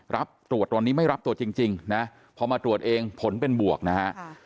รับตรวจวันนี้ไม่รับตัวจริงนะพอมาตรวจเองผลเป็นบวกนะฮะ